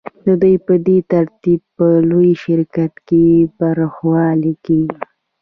دوی په دې ترتیب په لوی شرکت کې برخوال کېږي